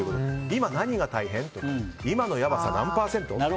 今、何が大変？とか今のやばさ何パーセント？